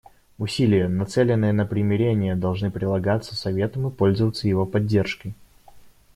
Усилия, нацеленные на примирение, должны прилагаться Советом и пользоваться его поддержкой.